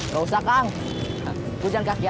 gak usah kang